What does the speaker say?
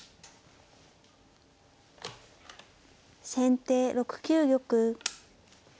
先手６九玉。